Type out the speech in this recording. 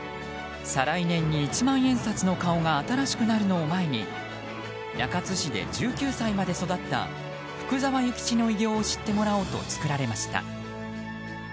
再来年に一万円札の顔が新しくなるのを前に中津市で１９歳まで育った福沢諭吉の偉業を知ってもらおうと作られました。